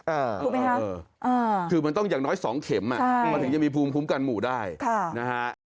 ถูกไหมคะคือมันต้องอย่างน้อย๒เข็มอ่ะมันถึงจะมีภูมิคุ้มกันหมู่ได้นะฮะ